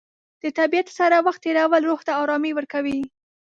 د طبیعت سره وخت تېرول روح ته ارامي ورکوي.